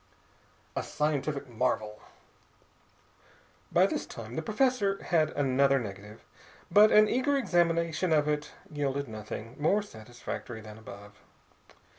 A SCIENTIFIC MARVEL By this time the professor had another negative, but an eager examination of it yielded nothing more satisfactory than before.